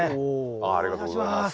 ありがとうございます。